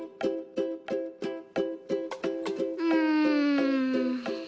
うん。